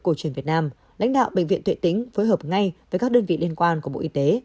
cổ truyền việt nam lãnh đạo bệnh viện tuệ tĩnh phối hợp ngay với các đơn vị liên quan của bộ y tế